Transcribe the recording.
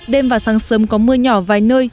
đêm và sáng sớm có mưa nhỏ vài nơi